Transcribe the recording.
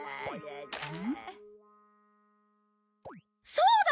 そうだ！